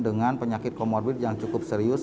dengan penyakit comorbid yang cukup serius